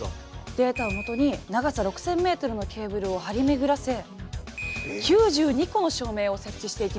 データを基に長さ６，０００ｍのケーブルを張り巡らせ９２個の照明を設置していきます。